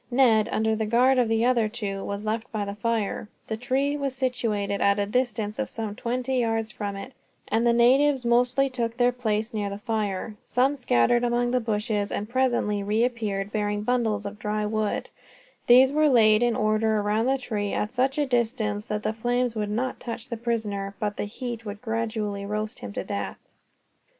Ned, under the guard of the other two, was left by the fire. The tree was situated at a distance of some twenty yards from it, and the natives mostly took their place near the fire. Some scattered among the bushes, and presently reappeared bearing bundles of dry wood. These were laid in order round the tree, at such a distance that the flames would not touch the prisoner, but the heat would gradually roast him to death.